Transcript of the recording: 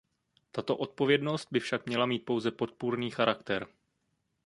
Tato odpovědnost by však měla mít pouze podpůrný charakter.